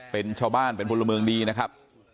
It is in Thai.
เป็นชาวบ้านเป็นบรมงบิลนะครับ